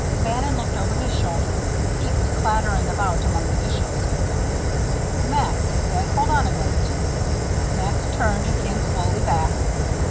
Bannon looked over his shoulder Pete was clattering about among the dishes. "Max," he said, "hold on a minute." Max turned and came slowly back.